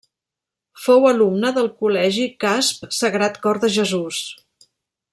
Fou alumne del Col·legi Casp-Sagrat Cor de Jesús.